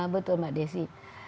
betul mbak desy